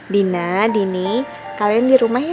dina dini kalian di rumah ya